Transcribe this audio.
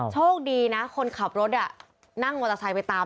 โชคดีนะคนขับรถนั่งมอเตอร์ไซค์ไปตาม